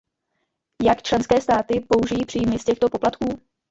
Jak členské státy použijí příjmy z těchto poplatků?